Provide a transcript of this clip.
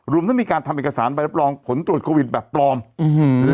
รวมทั้งมีการทำเอกสารใบรับรองผลตรวจโควิดแบบปลอมอื้อหือ